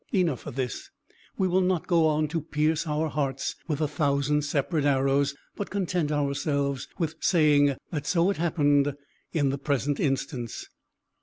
Enough of this: we will not go on to pierce our hearts with a thousand separate arrows, but content ourselves with saying, that so it happened in the present instance.